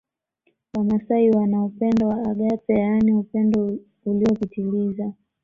Wamasai wana upendo wa agape yaani upendo uliopitiliza